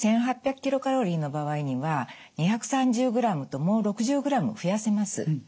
１日１８００ｋｃａｌの場合には２３０ｇともう６０ｇ増やせます。